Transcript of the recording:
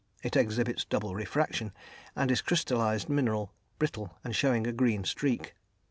It exhibits double refraction, and is a crystallised mineral, brittle, and showing a green streak.